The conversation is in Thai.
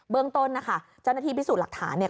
เรื่องต้นนะคะเจ้าหน้าที่พิสูจน์หลักฐานเนี่ย